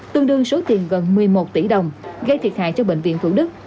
tương đương số tiền gần một mươi một tỷ đồng gây thiệt hại cho bệnh viện thủ đức